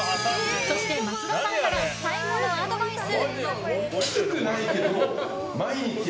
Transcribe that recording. そして、松田さんから最後のアドバイス。